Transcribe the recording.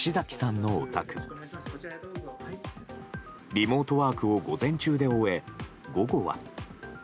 リモートワークを午前中で終え午後は。